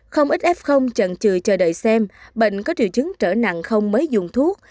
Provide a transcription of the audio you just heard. không ít f trần trừ chờ đợi xem bệnh có triệu chứng trở nặng không mới dùng thuốc